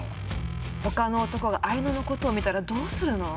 「他の男が愛乃のことを見たらどうするの？」